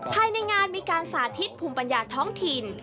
ภายในงานมีการสาธิตภูมิปัญญาท้องถิ่น